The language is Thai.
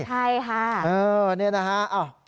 ใช่ฮะ